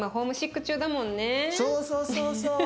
そうそうそうそう。